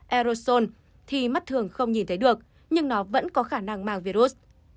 aerosol thì mắt thường không nhìn thấy được nhưng nó vẫn có khả năng mang virus